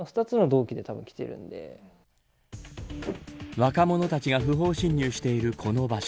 若者たちが不法侵入しているこの場所